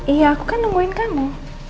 iya aku kan nemuin kamu